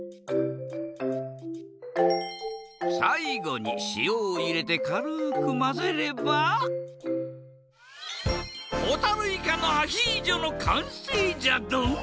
さいごにしおをいれてかるくまぜればほたるいかのアヒージョのかんせいじゃドン。